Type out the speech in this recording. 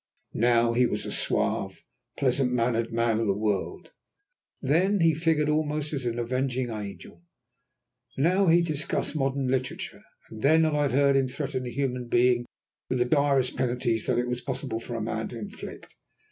Now he was a suave, pleasant mannered man of the world, then he figured almost as an avenging angel; now he discussed modern literature, then I had heard him threaten a human being with the direst penalties that it was possible for man to inflict.